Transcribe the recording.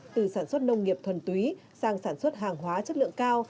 từ sản xuất nông nghiệp thuần túy sang sản xuất hàng hóa chất lượng cao